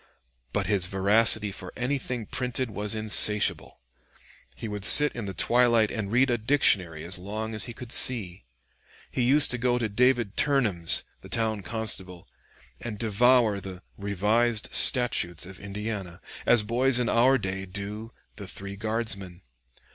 But his voracity for anything printed was insatiable. He would sit in the twilight and read a dictionary as long as he could see. He used to go to David Turnham's, the town constable, and devour the "Revised Statutes of Indiana," as boys in our day do the "Three Guardsmen."